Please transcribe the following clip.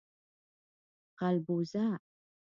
🐜 غلبوزه